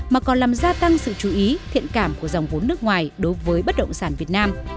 mà còn làm gia tăng sự chú ý thiện cảm của dòng vốn nước ngoài đối với bất động sản việt nam